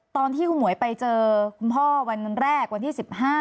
ตอนที่คุณหมวยไปเจอคุณพ่อวันแรกวันที่๑๕